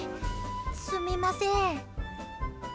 すみません。